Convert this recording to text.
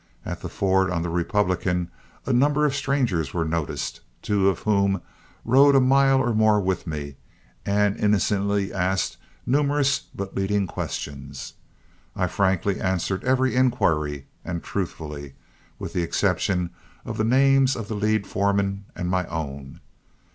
At the ford on the Republican, a number of strangers were noticed, two of whom rode a mile or more with me, and innocently asked numerous but leading questions. I frankly answered every inquiry, and truthfully, with the exception of the names of the lead foreman and my own.